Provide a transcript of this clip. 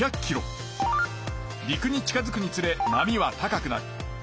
陸に近づくにつれ波は高くなる。